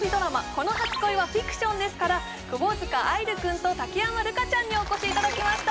この初恋はフィクションです」から窪塚愛流君と武山瑠香ちゃんにお越しいただきました